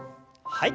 はい。